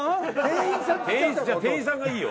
店員さんがいいよ。